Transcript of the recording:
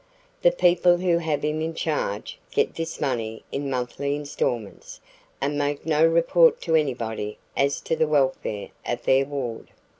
The people who have him in charge get this money in monthly installments and make no report to anybody as to the welfare of their ward.